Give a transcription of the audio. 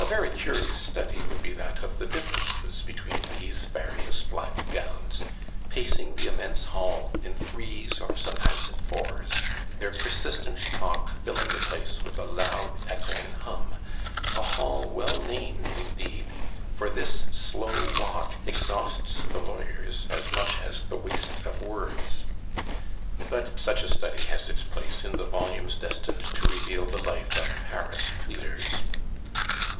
A very curious study would be that of the differences between these various black gowns, pacing the immense hall in threes, or sometimes in fours, their persistent talk filling the place with a loud, echoing hum a hall well named indeed, for this slow walk exhausts the lawyers as much as the waste of words. But such a study has its place in the volumes destined to reveal the life of Paris pleaders.